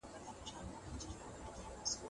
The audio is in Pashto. کوم حرکتونه د ملا او غاړي رواني فشارونه ختموي؟